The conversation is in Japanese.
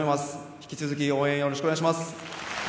引き続き応援よろしくお願いします。